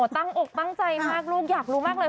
ตั้งอกตั้งใจมากลูกอยากรู้มากเลย